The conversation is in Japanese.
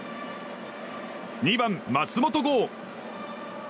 ２番、松本剛。